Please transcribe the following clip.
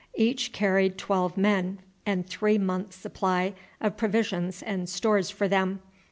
Each carried twelve men and three months' supply of provisions and stores for them.